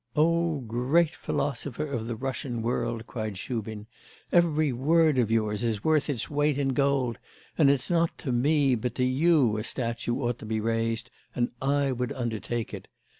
'O great philosopher of the Russian world!' cried Shubin, 'every word of yours is worth its weight in gold, and it's not to me but to you a statue ought to be raised, and I would undertake it.